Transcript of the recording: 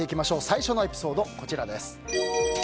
最初のエピソードです。